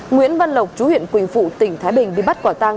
nguyễn văn lộc chú huyện quỳnh phụ tỉnh thái bình bị bắt quả tang